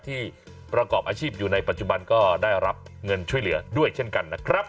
ที่ประกอบอาชีพอยู่ในปัจจุบันก็ได้รับเงินช่วยเหลือด้วยเช่นกันนะครับ